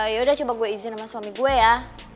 yaudah coba gue izin sama suami gue ya